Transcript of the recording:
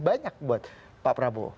banyak buat pak prabowo